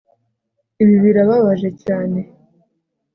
Ibi birababaje cyane